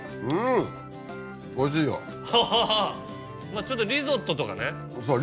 まぁちょっとリゾットとかね。